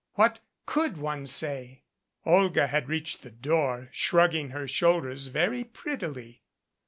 What could one say?" Olga had reached the door, shrugging her shoulders very prettily.